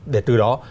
để từ đó